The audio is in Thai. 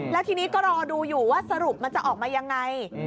แล้วทีนี้ก็รอดูอยู่ว่าสรุปมันจะออกมายังไง